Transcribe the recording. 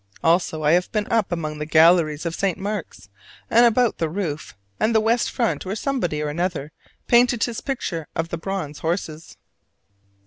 Also, I have been up among the galleries of St. Mark's, and about the roof and the west front where somebody or another painted his picture of the bronze horses.